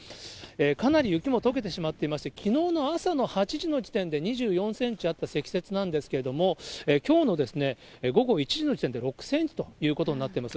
かなり雪もとけてしまっていまして、きのうの朝の８時の時点で２４センチあった積雪なんですけれども、きょうの午後１時の時点で６センチということになっています。